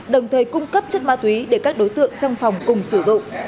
đồng thời cung cấp chất ma túy để các đối tượng trong phòng cùng sử dụng